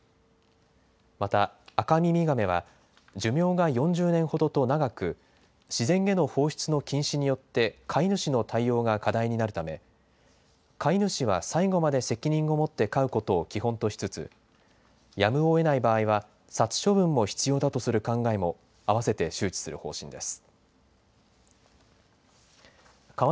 またアカミミガメは寿命が４０年ほどと長く自然への放出の禁止によって飼い主の対応が課題になるため飼い主は最後まで責任を持って飼うことを基本としつつやむをえない場合は殺処分も必要だとする考えもあわせて周知する方針です。